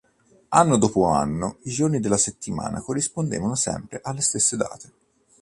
Anno dopo anno i giorni della settimana corrispondevano sempre alle stesse date.